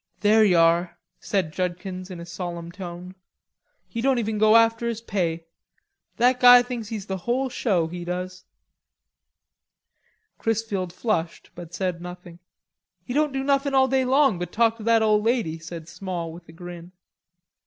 "There ye are," said Judkins in a solemn tone. "He don't even go after his pay. That guy thinks he's the whole show, he does." Chrisfield flushed, but said nothing. "He don't do nothing all day long but talk to that ole lady," said Small with a grin.